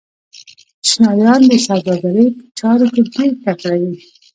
چینایان د سوداګرۍ په چارو کې ډېر تکړه دي.